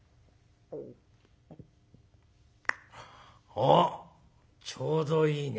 「おっちょうどいいね。